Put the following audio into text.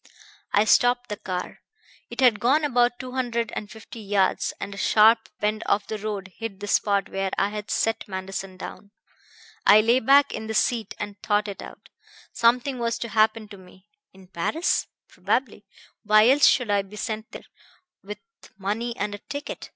"I stopped the car. It had gone about two hundred and fifty yards, and a sharp bend of the road hid the spot where I had set Manderson down. I lay back in the seat and thought it out. Something was to happen to me. In Paris? Probably why else should I be sent there, with money and a ticket?